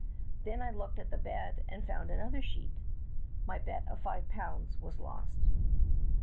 Then I looked at the bed and found another sheet. My bet of five pounds was lost.